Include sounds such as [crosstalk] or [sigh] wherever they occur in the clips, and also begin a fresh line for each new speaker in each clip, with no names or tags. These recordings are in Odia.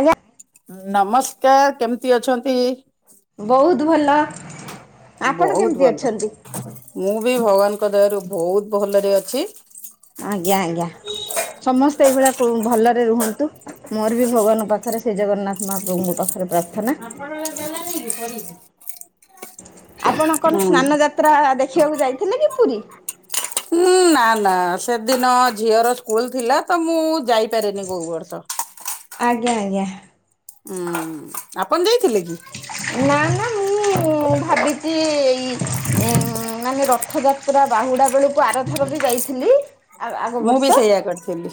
ଆଜ୍ଞା।
ନମସ୍କାର! କେମିତି ଅଛନ୍ତି?
ବହୁତ୍ ଭଲ। ଆପଣ
ବହୁତ୍
କେମିତି
ଭଲ।
ଅଛନ୍ତି?
ମୁଁ ବି ଭଗବାନଙ୍କ ଦୟାରୁ ବହୁତ ଭଲରେ ଅଛି।
ଆଜ୍ଞା, ଆଜ୍ଞା, ସମସ୍ତେ ଏଇଭଳିଆ ଭଲରେ ରୁହନ୍ତୁ। ମୋର ବି ଭଗବାନଙ୍କ ପାଖରେ, ଶ୍ରୀଜଗନ୍ନାଥ ମହାପ୍ରଭୁଙ୍କ ପାଖରେ ପ୍ରାର୍ଥନା।
ଆପଣଙ୍କ ଦେଲାନି କି ପରି?
ଆପଣ କଣ ସ୍ନାନ ଯାତ୍ରା ଦେଖିବାକୁ ଯାଇଥିଲେ କି ପୁରୀ?
ହୁଁ, ନା ନା ସେଦିନ ଝିଅର ସ୍କୁଲ ଥିଲା ତ, ମୁଁ ଯାଇପାରେନି କଉ ବର୍ଷ।
ଆଜ୍ଞା, ଆଜ୍ଞା।
ଉଁ, ଆପଣ ଯାଇଥିଲେ କି?
ନା, ନା, ମୁଁ ମୁଁ, ଭାବିଚି ଏଇ-ଇ ମାନେ ରଥଯାତ୍ରା ବାହୁଡ଼ା ବେଳକୁ ଆରଥର ବି ଯାଇ ଥିଲି ଆ-ଆଗ
ମୁଁ ବି
ବର୍ଷ।
ସେଇଆ କରିଥିଲି।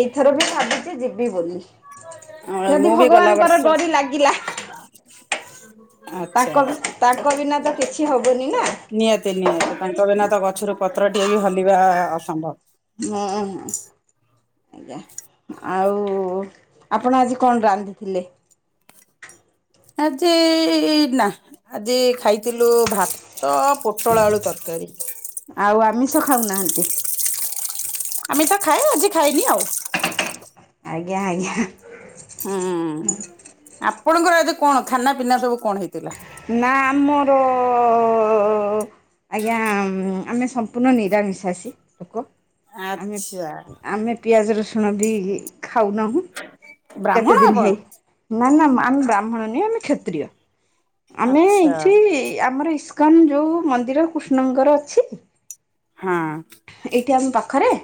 ଏଇଥର ବି ଭାବିଛି ଯିବି ବୋଲି? ଯଦି
ମୁଁ ବି ଗଲା ବର୍ଷ
ଭଗବାନଙ୍କର ଡୋରି ଲାଗିଲା?
[inaudible]
ତାଙ୍କ, ତାଙ୍କ ବିନା ତ କିଛି ହବନି ନା?
ନିହାତି, ନିହାତି, ତାଙ୍କ ବିନା ତ ଗଛରୁ ପତ୍ର ଟିଏ ବି ହଲିବା-ଆ ଅସମ୍ଭବ?
ହଁ, ହଁ। ଆଜ୍ଞା, ଆଉ-ଉ ଆପଣ ଆଜି କଣ ରାନ୍ଧିଥିଲେ?
ଆଜି-ଇ ନା। ଆଜି ଖାଇଥିଲୁ, ଭାତ, ପୋଟଳ ଆଳୁ ତରକାରୀ।
ଆଉ, ଆମିଷ ଖାଉନାହାଁନ୍ତି?
ଆମିଷ ଖାଏ, ଆଜି ଖାଇନି ଆଉ।
ଆଜ୍ଞା, ଆଜ୍ଞା।
ହୁଁ, ଆପଣଙ୍କର ଆଜି କଣ? ଖାନା ପିନା ସବୁ କଣ ହେଇଥିଲା?
ନା ଆମର-ଅ-ଅ ଆଜ୍ଞା, ଆମେ ସମ୍ପୂର୍ଣ୍ଣ ନିରାମିଷାଶି ଲୋକ। ଆମେ,
ଆଚ୍ଛା
ଆମେ ପିଆଜ ରସୁଣ ବି ଖାଉନାହୁଁ।
ବ୍ରାହ୍ମଣ
କେତେ ଦିନ
ଆପଣ
ହେଇ, ନା ନା ଆମେ ବ୍ରାହ୍ମଣ ନୁହଁ। ଆମେ କ୍ଷତ୍ରିୟ। ଆମେ
ଆଚ୍ଛା।
ଏଇଠି ଆମର ଇସ୍କନ ଯୋଉ ମନ୍ଦିର କୃଷ୍ଣଙ୍କର ଅଛି
ହଁ
ଏଇଠି ଆମ ପାଖରେ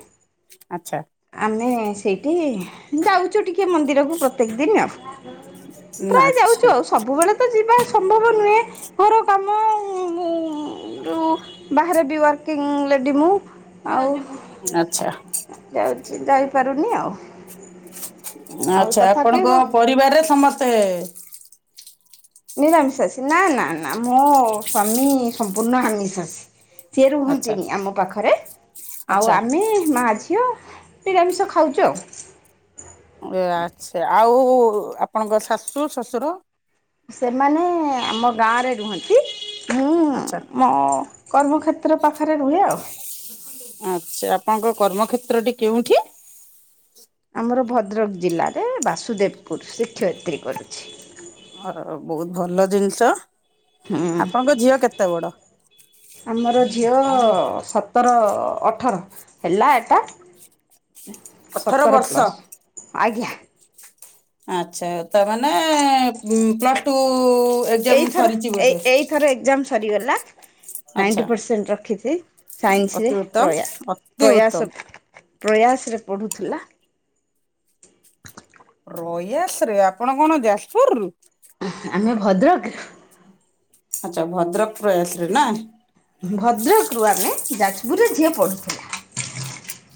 ଆଚ୍ଛା
ଆମେ ସେଇଠି ଯାଉଛୁ ଟିକେ ମନ୍ଦିରକୁ ପ୍ରତ୍ୟେକ ଦିନ ଆଉ।
[inaudible]
ପ୍ରାୟ
ଆଚ୍ଛା।
ଯାଉଛୁ ଆଉ। ସବୁବେଳେ ତ ଯିବା ଆସ ଘର କାମ ଉଁ, ମୁଁ ଯଉ ବାହାରେ ବି ୱାର୍କିଂ ଲେଡ଼ି ମୁଁ। ଆଉ
ଆଚ୍ଛା।
ଯାଉଛି ଯାଇପାରୁନି ଆଉ। ଆଉ
ଆଛା,
ତଥାପି
ଆପଣଙ୍କ ପରିବାରରେ ସମସ୍ତେ-ଏ
ନିରାମିଷାଶୀ ନା, ନା, ନା, ମୋ ସ୍ଵାମୀ ସମ୍ପୂର୍ଣ୍ଣ ଆମିଷାଶୀ। ସିଏ
ଆଚ୍ଛା
ରୁହନ୍ତିନି, ଆମ ପାଖରେ। ଆଉ
ଆଚ୍ଛା।
ଆମେ ମା ଝିଅ ନିରାମିଷ ଖାଉଚୁ ଆଉ।
ଏ ଆଚ୍ଛା, ଆଉ ଆପଣଙ୍କ ଶାଶୁ, ଶ୍ୱଶୁର?
ସେମାନେ-ଏ ଆମ ଗାଁରେ ରୁହନ୍ତି। ହୁଁ
ଆଚ୍ଛା।
ମୋ କର୍ମକ୍ଷେତ୍ର ପାଖରେ ରୁହେ ଆଉ।
ଆଚ୍ଛା ଆପଣଙ୍କ କର୍ମକ୍ଷେତ୍ରଟି କେଉଁଠି?
ଆମର ଭଦ୍ରକ ଜିଲ୍ଲାରେ ବାସୁଦେବପୁର ଶିକ୍ଷୟିତ୍ରୀ କରୁଛି।
ହ ବହୁତ ଭଲ ଜିନିଷ ଆପଣଙ୍କ ଝିଅ କେତେ ବଡ?
ଆମର ଝିଅ ସତର ଅଠର ହେଲା ଏଟା।
ଅଠର
ସତର
ବର୍ଷ।
ପ୍ଲସ୍ ଆଜ୍ଞା।
ଆଛା ତା ମାନେ ପ୍ଲସ ଟୁ। ଏକ୍ଜାମ
ଏଇଥର
ସରିଛି
ଏ
ବୋଧେ?
ଏଇଥର ଏକଜାମ ସରିଗଲା।
ଆଚ୍ଛା
ନାଇଣ୍ଟି ପରସେଣ୍ଟ ରଖିଛି
ଅତି
ସାଇନ୍ସରେ
ଉତ୍ତମ
ପ୍ରୟା
ଅତି ଉତ୍ତମ।
ପ୍ରୟାସ। ପ୍ରୟାସରେ ପଢ଼ୁଥିଲା।
ପ୍ରୟାସରେ ଆପଣ କଣ ଯାଜପୁରରୁୁ?
ଆମେ ଭଦ୍ରକ।
ଆଚ୍ଛା ଭଦ୍ରକ ପଲେଇଆସିଲେ ନା।
ଭଦ୍ରକରୁ ଆମେ ଯାଜପୁରରେ ଝିଅ ପଢ଼ୁଥିଲା।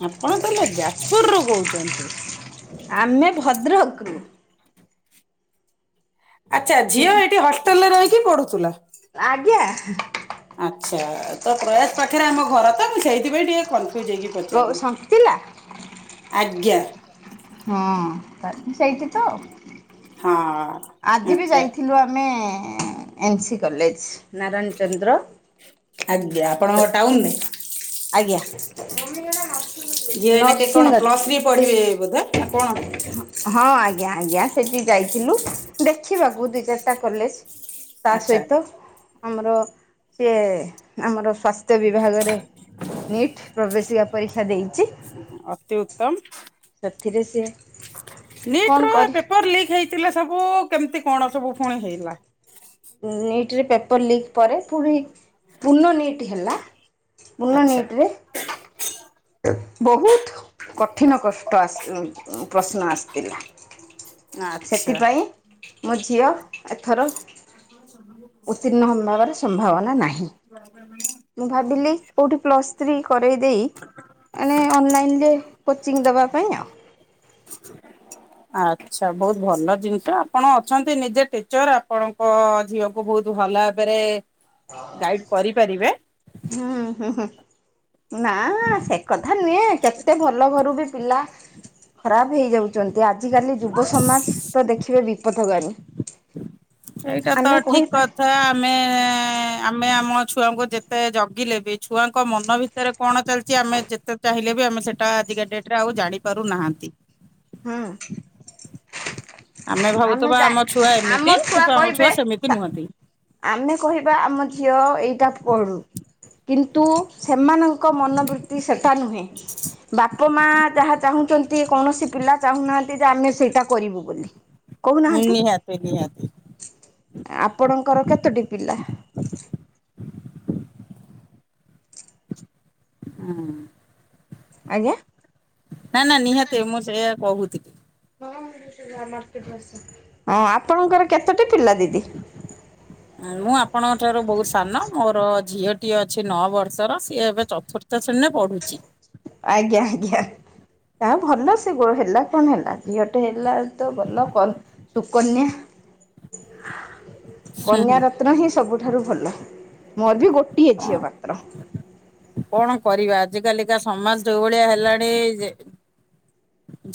ଆପଣ ତା ହେଲେ ଯାଜପୁରରୁୁ କହୁଛନ୍ତି।
ଆମେ ଭଦ୍ରକ।
ଆଚ୍ଛା ଝିଅ ଏଇଠି ହଷ୍ଟେଲ ରେ ରହିକି ପଢୁଥିଲା।
ଆଜ୍ଞା।
ଆଚ୍ଛା ତ ପ୍ରୟାସ ପାଖରେ ଆମ ଘର ତ ମୁଁ ସେଇଥିପାଇଁ ଟିକେ କନଫ୍ୟଜ୍ ହେଇକି। ପଚାରିଲି
ସନ୍ତିଲା
ଆଜ୍ଞା।
ହଁ ଫାଷ୍ଟ ସେଇଠି ତ।
ହଁ
ଆଜି ବି
ଆଚ୍ଛା।
ଯାଇଥିଲୁ ଆମେ ଏନ୍ ସି କଲେଜ୍। ନାରଣଚନ୍ଦ୍ର
ଆଜ୍ଞା
ଚ
ଆପଣଙ୍କ ଟାଉନରେ
ଆଜ୍ଞା।
ଝିଅ ଏଇନା କେ
ନରସିଂହ
କଣ ପ୍ଲସ ଥ୍ରୀ ପଢିବେ ବୋଧ ନା କଣ?
ହଁ ଆଜ୍ଞା ଆଜ୍ଞା ସେଠି ଯାଇଥିଲୁ ଦେଖିବାକୁ ଦି ଚାରିଟା କଲେଜ୍। ତା
ଆଚ୍ଛା।
ସହିତ ଆମର ସିଏ ଆମର ସ୍ୱାସ୍ଥ୍ୟ। ସ୍ୱାସ୍ଥ୍ୟ ବିଭାଗରେ ନିଟ୍ ପ୍ରବେଶିକା ପରୀକ୍ଷା ଦେଇଛି।
ଅତି ଉତ୍ତମ
ସେଥିରେ ସିଏ
ନିଟ୍
କଣ
ର
କରି
ପେପର ଲିକ୍ ହେଇ ଥିଲା ସବୁ କେମିତି କଣ ସବୁ ପୁଣି ହେଇଗଲା?
ନିଟ୍ ରେ ପେପର ଲିକ୍ ପରେ ପୁଣି ପୁର୍ଣ୍ଣ ନିଟ୍ ହେଲା। ପୁରୁଣା
ଆଚ୍ଛା।
ନିଟରେ। ବହୁତ କଠିନ କଷ୍ଟ ଆ ପ୍ରଶ୍ନ ଆସେ। ଥିଲା
ଆଚ୍ଛା।
ସେଥିପାଇଁ ମୋ ଝିଅ ଏଥର।
ଆପଣ [unintelligible]
ଉତ୍ତୀର୍ଣ୍ଣ [unintelligible] ସମ୍ଭାବନା- ନାହିଁ
[unintelligible]
ମୁଁ ଭାବିଲି କୋଉଠି ପ୍ଲସ୍ ଥ୍ରୀ କରେଇ ଦେଇ ମାନେ ଅନଲାଇନ୍ ରେ କୋଚିଂ ଦେବା ପାଇଁ ଆଉ।
[unintelligible]
[inaudible]
ଆଚ୍ଛା ବହୁତ ଭଲ ଜିନିଷ ଆପଣ ଅଛନ୍ତି ନିଜେ ଟିଚର ଆପଣଙ୍କ ଝିଅକୁ ତାକୁ ବହୁତ ଭଲ ଭାବରେ ଗାଇଡ୍ କରିପାରିବେ।
ହୁଁ ହୁଁ ହୁଁ ନାଁ ନାଁ ସେ କଥା ନୁହେଁ କେତେ ଭଲ ଘରୁ ବି ପିଲା ଖରାପ୍ ହେଇଯାଉଛନ୍ତି ଆ ଆଜିକାଲି ଯୁବ ସମାଜ ତ ଦେଖିବେ ବିପଦକାରୀ
ସେଇଟା ତ ଠିକ୍ କଥା ଆମେ ଆମେ ଆମ ଛୁଆଙ୍କୁ ଯେତେ ଜଗିଲେ ବି ଛୁଆଙ୍କ ମନ ଭିତରେ କଣ ଚାଲିଛି ଆମେ ଯେତେ ଚାହିଁଲେ ବି ଆମେ ସେଟା ଆଜିକା ଡେଟ୍ ରେ ଆଉ ଜାଣିପାରୁ ନାହାଁନ୍ତି।
ହଁ।
ଆମେ ଭାବୁଥିବା ଆମ ଛୁଆ
ଆମ
ଏମିତି କିନ୍ତୁ ଆମ
କହିବେ
ଛୁଆ ସେମିତି ନୁହଁନ୍ତି।
ଆମେ କହିବା ଆମ ଝିଅ ଏଇଟା ପଢୁ କିନ୍ତୁ ସେମାନଙ୍କ ସେମାନଙ୍କ ମନବୃତ୍ତି ସେଟା ନୁହେଁ ବାପ ମା ଯାହା ଚାହୁଁଛନ୍ତି। କୌଣସି ପିଲା ଚାହୁଁନାହାନ୍ତି ଯେ ଆମେ ସେଇଟା କରିବୁ ବୋଲି କହୁନାହାନ୍ତି
ନିହାତି ନିହାତି
ଆପଣଙ୍କର କେତୋଟି ପିଲା?
ହୁଁ।
ଆଜ୍ଞା
ନା ନା ନିହାତି ମୁଁ ସେଇ କହୁଥିଲି।
[unintelligible] ଆପଣଙ୍କର କେତୋଟି ପିଲା ଦିଦି?
ମୁଁ ଆପଣଙ୍କ ଠାରୁ ବହୁତ୍ ସାନ ମୋର ଝିଅଟି ଏ ଅଛି ନଅ ବର୍ଷର ସିଏ ଏବେ ଚତୁର୍ଥ ତ ଶ୍ରେଣୀରେ ପଢୁଛି।
ଆଜ୍ଞା ଆଜ୍ଞା। ଆ ଭଲ ସେ ହେଲା କଣ ହେଲା ଝିଅଟେ ହେଲା ତ ଭଲ କଣ ସୁକନ୍ୟା। କନ୍ୟ ରତ୍ନ ହିଁ ସବୁଠାରୁ ଭଲ ମୋର ବି ଗୋଟିଏ ଝିଅ ମାତ୍ର
କଣ କରିବା ଆଜିକାଲିକା ସମାଜ ଯୋଉଭଳିଆ ହେଲାଣି ଯେ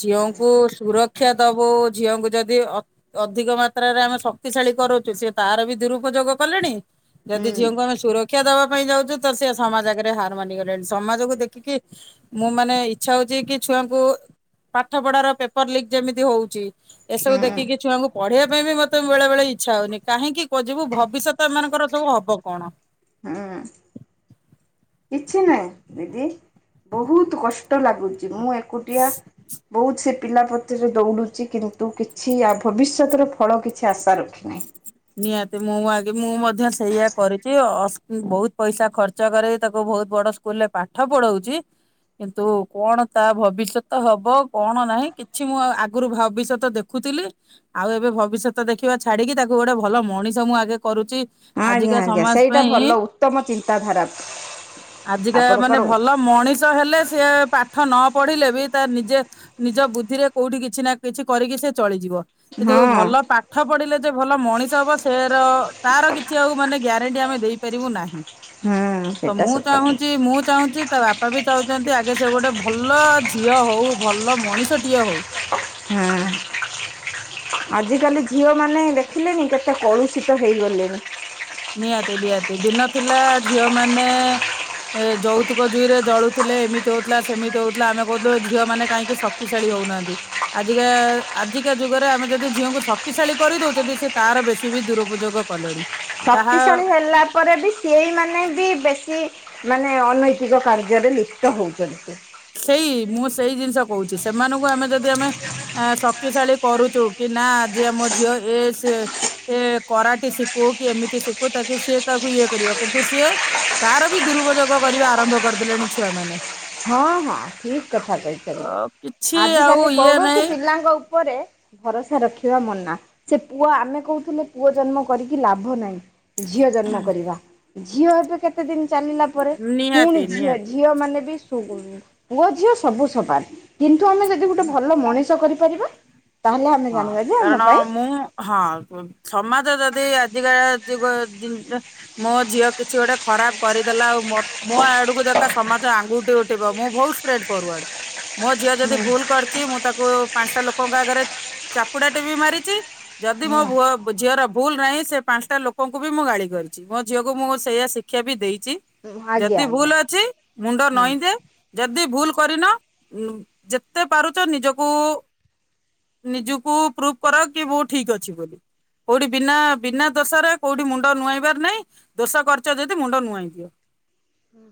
ଝିଅଙ୍କୁ ସୁରକ୍ଷା ଦବୁ ଝିଅଙ୍କୁ ଯଦି ଅ ଅଧିକ ମାତ୍ରାରେ ଆମେ ଶକ୍ତିଶାଳୀ କରୁଛୁ ସେ ତାର ବି ଦୁରୁପଯୋଗ କଲେଣି ଯଦି
ହୁଁ
ଝିଅଙ୍କୁ ଆମେ ସୁରକ୍ଷା ଶିକ୍ଷା ଦବା ପାଇଁ ଯାଉଛୁ ତ ସେ ସମାଜ ଆଗରେ ହାର ମାନିଗଲେଣି ସମାଜକୁ ଦେଖିକି ମୁଁ ମାନେ ଇଚ୍ଛା ହଉଛି କି ଛୁଆଙ୍କୁ ପାଠ ପଢାର ପେପର ଲିକ୍ ଯେମିତି ହଉଛି
ହୁଁ
ଏସବୁ ଦେଖିକି ଛୁଆଙ୍କୁ ପଢିବା ପାଇଁ ବି ମୋତେ ବେଳେ ବେଳେ ଇଚ୍ଛା ହଉନି କାହିଁକି ଯିବୁ ଭବିଷ୍ୟତ ଏ ମାନଙ୍କର ସବୁ ହବ କଣ?
ହୁଁ କିଛି ନାହିଁ ଦିଦି ବହୁତ କଷ୍ଟ ଲାଗୁଛି। ମୁଁ ଏକୁଟିଆ ବହୁତ ପିଲାପତିରେ ଦୌଡ଼ୁଛି କିନ୍ତୁ କିଛି ଆ ଭବିଷ୍ୟତର ଫଳ କିଛି ଆଶା ରଖିନାହିଁ।
ନିହାତି ମୁଁ ଆଗ ମୁଁ ମଧ୍ୟ ସେଇୟଆ କରିୁଛି ବହୁତ ପଇସା ଖର୍ଚ୍ଚ କରେ ତାକୁ ବହୁତ ବଡ ସ୍କୁଲ ରେ ପାଠ ପଢଉଛି। କିନ୍ତୁ କଣ ତା ଭବିଷ୍ୟତ ହବ କଣ ନାହିଁ କିଛି ମୁଁ ଆଗରୁ ଭବିଷ୍ୟତ ଦେଖୁ। ଦେଖୁଥିଲି ଆଉ ଏବେ ଭବିଷ୍ୟତ ଦେଖିବା ଛାଡିକି ତାକୁ ଗୋଟେ ଭଲ ମଣିଷ ମୁଁ ଆଗେ କରୁଛି।
ହଁ ଆଜ୍ଞା
ଆଜିକା
ଆଜ୍ଞା
ସମାଜ
ସେଇଟା
ପାଇଁ
ଭଲ ଉତ୍ତମ ଚିନ୍ତାଧାରା
ଆଜିକା ମାନେ
ଆପଣଙ୍କର ହଁ
ଭଲ ମଣିଷ ହେଲେ ସେି ପାଠ ନ ପଢିଲେ ବି ତା ନିଜେ ନିଜ ବୁଦ୍ଧିରେ କୋଉଠି କିଛି ନା କିଛି କରିକି ସେ ଚଳିଯିବ କିନ୍ତୁ
ହଁ
ଭଲ ପାଠ ପଢିଲେ ଯେ ଭଲ ମଣିଷ ହବ ସେ ର ତାର କିଛି ଆଉ ମାନେ ଗ୍ୟାରେଣ୍ଟି ଆମେ ଦେଇପାରିବୁ ନାହିଁ। ତ
ସେଇଟା
ମୁଁ
ସତ କଥା
ଚାହୁଁଛି ମୁଁ ଚାହୁଁଛି ତା ବାପା ବି ଚାହୁଛନ୍ତି ଆଗେ ସେ ଗୋଟେ ଭଲ ଝିଅ ହଉ ଭଲ ମଣିଷଟିଏ ହଉ।
ହୁଁ। ଆଜିକାଲି ଝିଅ ମାନେ ଦେଖିଲେନି କେତେ କଳୁଷିତ ହେଇଗଲେଣିି।
ନିହାତି ନିହାତି ଦିନ ଥିଲା ଝିଅ ମାନେ ଏ ଯୌତୁକ ଜୁଇ ରେ ଜଳୁଥିଲେ ଏମିତି ହଉଥିଲା ସେମିତି ହଉଥିଲା ଆମେ କହୁଥିଲେୁ ଝିଅମାନେ କାହିଁକି ସ କିଶାଳି ହଉନାହାନ୍ତି। ଆଜିକା ଆଜିକା ଯୁଗରେ ଆମେ ଯଦି ଝିଅଙ୍କୁ ଶକ୍ତିଶାଳୀ କରିଦଉଛନ୍ତି ସେ ତାର ବେଶୀ ବି ଦୁରୁପଯୋଗ କଲେଣି। ତାହା
ଶକ୍ତିଶାଳି ହେଲା ପରେ ବି ସିଏଇ ମାନେ ବି ବେଶୀ ମାନେ ଅନୈତିକ କାର୍ଯ୍ୟରେ ଲିପ୍ତ ହଉଛନ୍ତି।
ସେଇ ମୁଁ ସେଇ ଜିନିଷ କହୁଛି ସେମାନଙ୍କୁ ଆମେ ଯଦି ଆମେ ଆ ଶକ୍ତିଶାଳୀ କରୁଚୁ କି ନା ଆଜି ଆମ ଝିଅ ଏ ସେ ଏ କରାଟ ଶିଖୁ କି ଏମିତି ଶିଖୁ ତାକି ସିଏ କାହାକୁ ଇଏ କରିବ କିନ୍ତୁ ସିଏ ତାର ବି ଦୁରୁପଯୋଗ କରିବା ଆରମ୍ଭ କରିଦେଲେଣି ଛୁଆମାନେ।
ହଁ ହଁ ଠିକ କଥା
ତ
କହିଛନ୍ତି
କିଛି
ଆଜି
ଆଉ
କାଲି
ଇଏ
କୌଣସି
ନାହିଁ
ପିଲାଙ୍କ ଓପରେ ଭରସା ରଖିବା ମନା ସେ ପୁଅ ଆମେ କହୁଥିଲେ ପୁଅ ଜନ୍ମ କରିକି ଲାଭ ନାହିଁ। ଝିଅ ଜନ୍ମ କରିବା ଝିଅ ଏବେ କେତେ ଦିନ ଚାଲିଲା ପରେ ପୁଣି
ନିହାତି
ଝିଅ ଝି
ନିହାତି।
ଝିଅ ମାନେ ବି ପୁଅ ଝିଅ ସବୁ ସବାନ କିନ୍ତୁ ଆମେ ଯଦି ଗୋଟେ ଭଲ ମଣିଷ କରିପାରିବା। ତାହେଲେ ଆମେ
ହଁ
ଜାଣିବା ଯେ ଆମ
କାରଣ
ପାଇଁ
ମୁଁ ହଁ ସମାଜ ଯଦି ଆଜିକା ଯୁଗ ଜି ମୋ ଝିଅ କିଛି ଗୋଟେ ଖରାପ କରିଦେଲା ଆଉ ମୋ ଆଡ଼କୁ ଯଥା ସମାଜ ଆଙ୍ଗୁଠି ଉଠିବ ମୁଁ ଭୋଉ ଷ୍ଟ୍ରେଟ ଫରୱଡ଼ ମୋ ଝିଅ ଯଦି
ହୁଁ
ଭୁଲ କରିଛି ମୁଁ ତାକୁ ପାଞ୍ଚଟା ଲୋକଙ୍କ ଆଗରେ ଚାପୁଡ଼ା ଟେ ବି ମାରିଛି। ଯଦି ମୋ ଉଅ
ହୁଁ
ଝିଅର ଭୁଲ ନାହିଁ ସେ ପାଞ୍ଚଟା ଲୋକଙ୍କୁ ବି ମୁଁ ଗାଳି କରିଚି। ମୋ ଝିଅକୁ ମୁଁ ସେଇଆ ଶିକ୍ଷା ବି ଦେଇଛି
ଆଜ୍ଞା
ଯଦି
ଆଜ୍ଞା।
ଭୁଲ ଅଛି ମୁଣ୍ଡ
ହଁ
ନଈଁ ଦେ ଯଦି ଭୁଲ କରିନ ଉଁ ଯେତେ ପାରୁଚ ନିଜକୁ ନିଜୁକୁ ପ୍ରୁଭ୍ କରାଅ କି ବୁ ଠିକ୍ ଅଛି ବୋଲି। କୋଉଠି ବିନା ବିନା ଦୋଷରେ କୋଉଠି ମୁଣ୍ଡ ନୁଆଁଇବାର ନାଇଁ ଦୋଷ କରିଚ ଯଦି ମୁଣ୍ଡ ନୁଆଇଁ ଦିଅ।
ହୁଁ।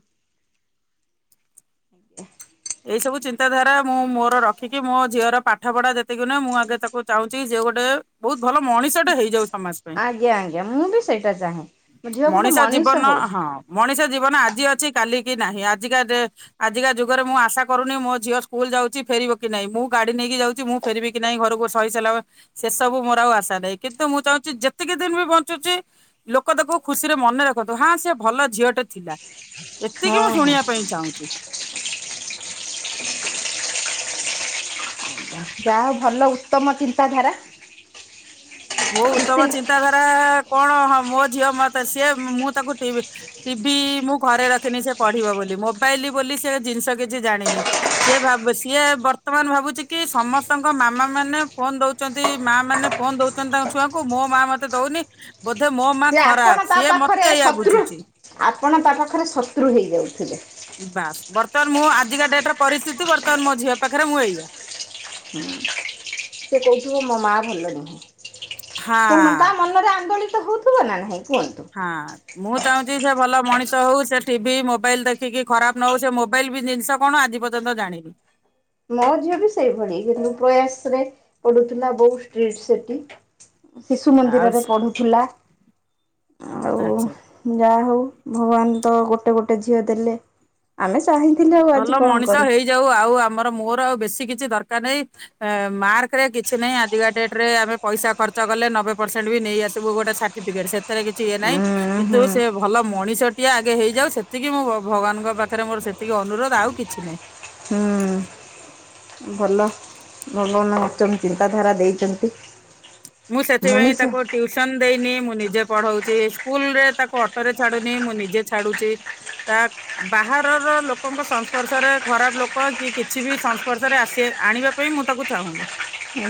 ଏଇ ସବୁ ଚିନ୍ତାଧାରା ମୁଁ ମୋର ରଖିକି ମୋ ଝିଅର ପାଠ ପଡ଼ା ଯେତିକି ନୁହେଁ ମୁଁ ଆଗେ ତାକୁ ଚାହୁଁଛି ସିଏ ଗୋଟେ ବୋହୁତ ଭଲ ମଣିଷ ଟେ ହେଇଯାଉ ସମାଜ ପାଇଁ।
ଏ ମୁଁ ବି ସେଇଟା ଚାହେଁ। ମୋ ଝିଅ ଗୋଟେ
ମଣିଷ ଜୀବନ
ହଉ।
ହଁ ମଣିଷ ଜୀବନ ଆଜି ଅଛି କାଲି କି ନାହିଁ ଆଜିକା ଡ଼େ ଆଜିକା ଯୁଗରେ ମୁଁ ଆଶା କରୁନି ମୋ ଝିଅ ସ୍କୁଲ ଯାଉଛି ଫେରିବ କି ନାଇଁ, ମୁଁ ଗାଡ଼ି ନେଇକି ଯାଉଛି ମୁଁ ଫେରିବି କି ନାଇଁ ଘରକୁ ସହିସଲାମ ସେ ସବୁ ମୋର ଆଉ ଆଶା ନାହିଁ କିନ୍ତୁ ମୁଁ ଚାହୁଁଛି ଯେତିକି ଦିନ୍ ବି ବଞ୍ଚୁଚି ଲୋକ ତାକୁ ଖୁସିରେ ମନେ ରଖନ୍ତୁ ହଁ ସେ ଭଲ ଝିଅଟେ ଥିଲା ଏତିକି ମୁଁ
ହଁ ହଁ
ଶୁଣିବା ପାଇଁ ଚାହୁଁଛି।
ଯାହା ହଉ ଭଲ ଉତ୍ତମ ଚିନ୍ତାଧାରା।
ମୋ ଉତ୍ତମ
ସୁଶୀଲ
ଚିନ୍ତାଧାରା କଣ ହଁ ମୋ ଝିଅ ମତେ ସିଏ ମୁଁ ତାକୁ ଟିଭି ଟିବି ମୁଁ ଘରେ ରଖିନି ସିଏ ପଢ଼ିବ ବୋଲି, ମୋବାଇଲ ବୋଲି ସେ ଜିନିଷ କିଛି ଜାଣିନି। ସିଏ ଭାବେ ସିଏ ବର୍ତ୍ତମାନ ଭାବୁଛି କି ସମସ୍ତଙ୍କ ମାମା ମାନେ ଫୋନ ଦଉ ଚନ୍ତି ମା ମାନେ ଫୋନ ଦଉଚନ୍ତି ତାଙ୍କ ଛୁଆଙ୍କୁ ମୋ ମା ମତେ ଦଉନି। ବୋଧେ ମୋ ମା
ସେ ଆପଣ
ଖରାପ,
ତା
ସିଏ
ପାଖରେ
ମତେ ଏଇଆ
ଶତ୍ରୁ
ବୁଝୁଛି।
ଆପଣ ତା ପାଖରେ ଶତ୍ରୁ ହେଇଯାଉଥିବେ।
ବାସ୍ ବର୍ତ୍ତମାନ ମୁଁ ଆଜିକା ଡ଼େଟ୍ ର ପରିସ୍ଥିତି ବର୍ତ୍ତମାନ ମୋ ଝିଅ ପାଖରେ ମୁଁ ଏଇଆ।
ହୁଁ ସେ କୋହୁଥିବ ମୋ ମା ଭଲ ନୁହଁ। ସେ ମ ତା
ହଁ।
ମନରେ ଆନ୍ଦୋଳିତ ହଉଥିବ ନା ନାହିଁ କୁହନ୍ତୁ?
ହଁ। ମୁଁ ଚାହୁଁଛି ସେ ଭଲ ମଣିଷ ହଉ, ସେ ଟିଭି, ମୋବାଇଲ ଦେଖିକି ଖରାପ ନ ହଉ, ସେ ମୋବାଇଲ ବି ଜିନିଷ କଣ ଆଜି ପ ର୍ଯ୍ୟନ୍ତ ଜାଣିନି।
ମୋ ଝିଅ ବି ସେଇଭଳି ବିନ୍ଦୁ ପ୍ରୟାସରେ ପଢ଼ୁଥିଲା ବହୁତ ଷ୍ଟ୍ରୀଟ୍ ସେଠି। ଶିଶୁ
ଆଉ
ମନ୍ଦିରରେ ପଢୁଥିଲା, ଆଉ
ଆଚ୍ଛା
ଯା ହଉ ଭଗବାନ ତ ଗୋଟେ ଗୋଟେ ଝିଅ ଦେଲେ। ଆମେ ଚାହିଁ
ଭଲ ମଣିଷ ହେଇଯାଉ ଆଉ ଆମର ମୋର ଆଉ ବେଶୀ କିଛି ଦରକାର ନାହିଁ। ଏ ମାର୍କ ରେ କିଛି ନାହିଁ ଆଜିକା ଡେଟରେ ଆମେ ପଇସା ଖର୍ଚ୍ଚ କଲେ ନବେ ପରସେଣ୍ଟ ବି ନେଇ ଆସିବୁ ଗୋଟେ ସା ଟିଫିକେଟ୍ ସେଥେରେ କିଛି ଇଏ ନାହିଁ
ହୁଁ
କିନ୍ତୁ
ହୁଁ
ସେ ଭଲ ମଣିଷଟିଏ ଆଗେ ହେଇଯାଉ ସେତିକି ମୁଁ ଭ ଭଗବାନଙ୍କ ପାଖରେ ମୋର ସେ ତିକି ଅନୁରୋଧ ଆଉ କିଛି ନାହିଁ।
ହୁଁ ଭଲ ଭଲ ନା ଉଚ୍ଚମ୍ ଚିନ୍ତାଧାରା ଦେଇଛନ୍ତି।
ମୁଁ ସେଥିପାଇଁ
ମଣିଷ
ତାକୁ ଟିୟୁସନ ଦେଇନି ମୁଁ ନିଜେ ପଢଉଛି, ସ୍କୁଲ ରେ ତାକୁ ଅଟୋ ରେ ଛାଡୁନି ମୁଁ ନିଜେ ଛାଡୁଚି। ତା ବାହାରର ଲୋକଙ୍କ ସଂସ୍ପର୍ଶରେ ଖରାପ ଲୋକ କି କିଛି ବି ସଂସ୍ପର୍ଶରେ ଆସି ଆଣିବା ବି ମୁଁ ତାକୁ ଚାହୁଁନି।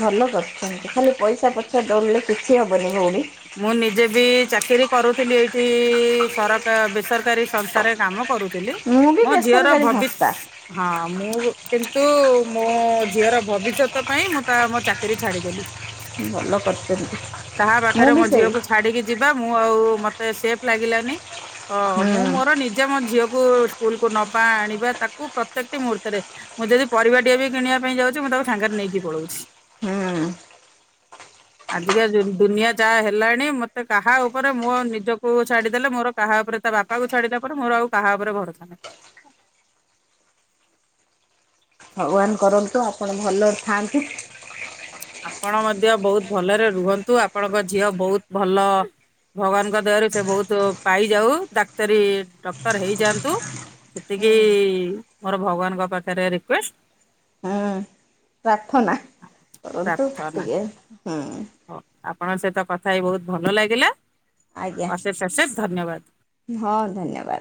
ଭଲ କରିଛନ୍ତି ଖାଲି ପଇସା ପଛରେ ଦଉଡିଲେ କିଛି ହବନି ଭଉଣୀ।
ମୁଁ ନିଜେ ବି ଚାକିରି କରୁଥିଲି ଏଇଠି ସରକା ବେସରକାରୀ ସଂସ୍ଥାରେ କାମ କରୁଥିଲି,
ମୁଁ ବି
ମୋ ଝିଅର
ବେସରକାରୀ
ଭବିଷ
ସଂସ୍ଥା
ହଁ ମୁଁ କିନ୍ତୁ ମୋ ଝିଅର ଭବିଷ୍ୟତ ପାଇଁ ମୁଁ ତା ମୋ ଚାକିରୀ ଛାଡିଦେଲି।
ଭଲ କରିଛନ୍ତି।
କାହା
ମୁଁ
ପାଖରେ
ବି
ମୋ
ସେଇ
ଝିଅକୁ ଛାଡିକି ଯିବା ମୁଁ ଆଉ ମତେ ସେଫ ଲାଗିଲାନି। ଅ
ହୁଁ
ମୁଁ ମୋର ନିଜେ ମୋ ଝିଅକୁ ସ୍କୁଲ କୁ ନବା ଆଣିବା ତାକୁ ପ୍ରତ୍ୟେକଟି ମୁହୂର୍ତ୍ତରେ ମୁଁ ଯଦି ପରିବା ଟିଏ ବି କିଣିବା ପାଇଁ ଯାଉଛି ମୁଁ ତାକୁ ସାଙ୍ଗେରେ ନେଇକି ପଳଉଚି।
ହୁଁ
ଖିଆ ଦୁନିଆ ଯାହା ହେଲାଣି ମତେ କାହା ଉପରେ ମୁଁ ଆ ନିଜକୁ ଛାଡ଼ିଦେଲେ ମୋର କାହା ଉପରେ ତା ବାପାକୁ ଛାଡ଼ିଲା ପରେ ମୋର ଆଉ କାହା ଉପରେ ଭରଷା ନାହିଁ।
ଭଗବାନ କରନ୍ତୁ ଆପଣ ଭଲରେ ଥାଆନ୍ତୁ।
ଆପଣ ମଧ୍ୟ ବୋହୁତ ଭଲରେ ରୁହନ୍ତୁ, ଆପଣଙ୍କ ଝିଅ ବୋହୁତ ଭଲ ଭଗବାନଙ୍କ ଦୟାରୁ ସେ ବୋହୁତ ପାଇଯାଉ ଡାକ୍ତରୀ ଡକ୍ଟର ହେଇଯାଆନ୍ତୁ। ସେତିକି
ହୁଁ
ମୋର ଭଗବାନଙ୍କ ପାଖେରେ ରିକ୍ୱେଷ୍ଟ୍।
ହୁଁ ପ୍ରାର୍ଥନା କରନ୍ତୁ
ପ୍ରାର୍ଥନା।
ଟିକେ ହୁଁ।
ହଉ ଆପଣଙ୍କ ସହିତ କଥା ହେଇ ବୋହୁତ ଭଲ ଲାଗିଲା।
ଆଜ୍ଞା।
ଅଶେଷ ଅଶେଷ ଧନ୍ୟବାଦ।
ହଁ ଧନ୍ୟବାଦ।